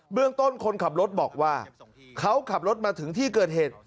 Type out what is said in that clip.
เรื่องต้นคนขับรถบอกว่าเขาขับรถมาถึงที่เกิดเหตุ